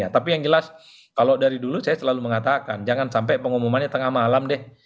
tapi yang jelas kalau dari dulu saya selalu mengatakan jangan sampai pengumumannya tengah malam deh